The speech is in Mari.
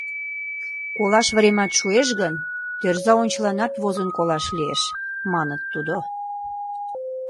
Колаш времат шуэш гын, тӧрза ончыланат возын колаш лиеш, маныт тудо.